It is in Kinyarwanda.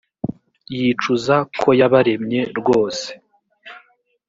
yicuza ko yabaremye rwose